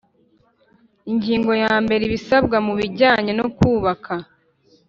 Ingingo yambere Ibisabwa mu bijyanye no kubaka